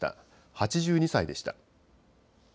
８２歳でした。